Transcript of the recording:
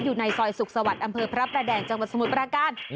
อยู่ในซอยสวกสวัตรอำเภอพระประแด่งจสมุทรปราการ